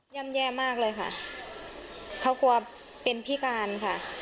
่ำแย่มากเลยค่ะเขากลัวเป็นพิการค่ะ